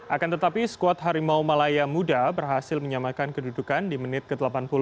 akan tetapi skuad harimau malaya muda berhasil menyamakan kedudukan di menit ke delapan puluh